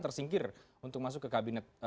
tersingkir untuk masuk ke kabinet